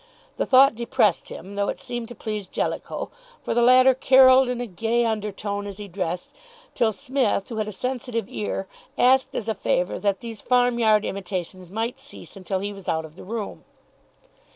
The thought depressed him, though it seemed to please Jellicoe, for the latter carolled in a gay undertone as he dressed, till Psmith, who had a sensitive ear, asked as a favour that these farm yard imitations might cease until he was out of the room.